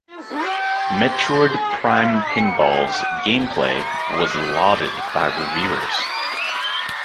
"Metroid Prime Pinball"s gameplay was lauded by reviewers.